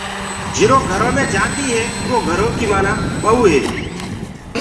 جيرو گھرو مي جآندي هي اُرو گھرو ڪي مآنآ ٻئوٚ هي۔